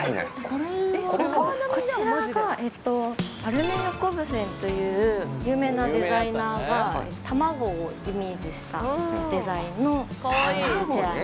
こちらがえっとアルネ・ヤコブセンという有名なデザイナーが卵をイメージしたデザインの卵ね！